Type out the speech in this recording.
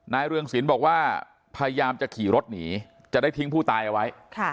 เรืองศิลป์บอกว่าพยายามจะขี่รถหนีจะได้ทิ้งผู้ตายเอาไว้